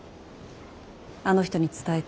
あの人に伝えて。